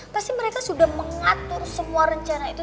pasti mereka sudah mengatur semua rencana itu